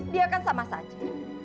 dia kan sama saja